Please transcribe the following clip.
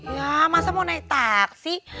ya masa mau naik taksi